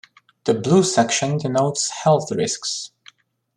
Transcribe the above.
The blue section denotes health risks.